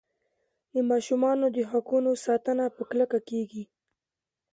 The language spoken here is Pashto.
د ماشومانو د حقونو ساتنه په کلکه کیږي.